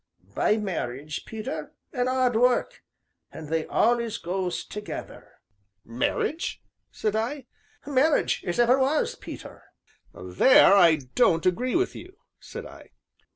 "By marriage, Peter, an' 'ard work! an' they allus goes together." "Marriage!" said I. "Marriage as ever was, Peter." "There I don't agree with you," said I.